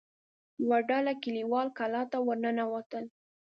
يوه ډله کليوال کلا ته ور ننوتل.